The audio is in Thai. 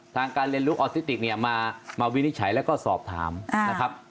การเรียนรู้ออซิติกเนี่ยมาวินิจฉัยแล้วก็สอบถามนะครับ